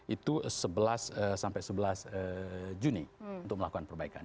itu sebelas sampai sebelas juni untuk melakukan perbaikan